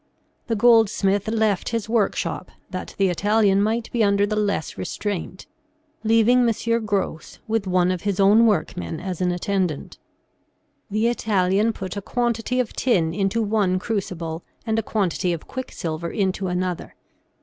The goldsmith left his workshop, that the Italian might be under the less restraint, leaving M. Gros, with one of his own workmen as an attend ant. The Italian put a quantity of tin into one crucible, and a quantity of quicksilver into another.